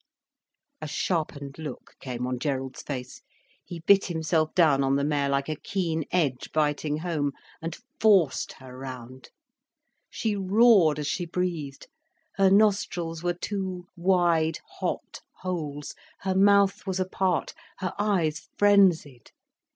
A sharpened look came on Gerald's face. He bit himself down on the mare like a keen edge biting home, and forced her round. She roared as she breathed, her nostrils were two wide, hot holes, her mouth was apart, her eyes frenzied.